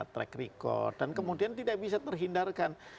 track record dan kemudian tidak bisa terhindarkan